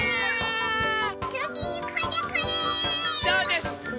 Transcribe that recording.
そうです。